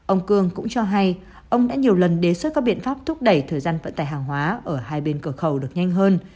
ông cương cũng cho hay ông đã nhiều lần đề xuất các biện pháp thúc đẩy thời gian vận tải hàng hóa ở hai bên cửa khẩu được nhanh hơn